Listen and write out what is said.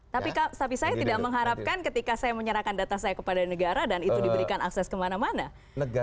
tapi saya tidak mengharapkan ketika saya menyerahkan data saya kepada negara dan itu diberikan akses kemana mana